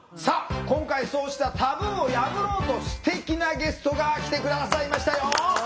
さあ今回そうしたタブーを破ろうとすてきなゲストが来て下さいましたよ。